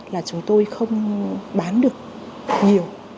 là chúng tôi không bán được nhiều